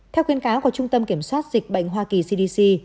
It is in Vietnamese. theo khuyên cáo của trung tâm kiểm soát dịch bệnh hoa kỳ cdc